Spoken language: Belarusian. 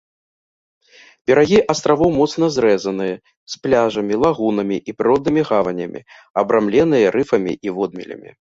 Берагі астравоў моцна зрэзаныя, з пляжамі, лагунамі і прыроднымі гаванямі, абрамленыя рыфамі і водмелямі.